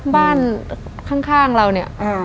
บ้านข้างเราเนี่ย